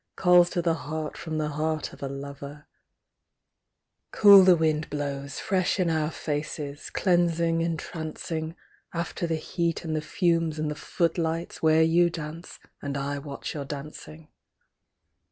Calls to the heart from the heart of a lover ! Cool the wind blows, fresh in our faces, Cleansing, entrancing. After the heat and the fumes and the footlights. Where you dance and I watch your dancing.